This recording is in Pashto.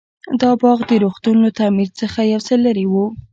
دا باغ د روغتون له تعمير څخه يو څه لرې و.